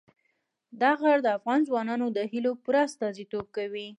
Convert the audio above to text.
دا غر د افغان ځوانانو د هیلو پوره استازیتوب کوي.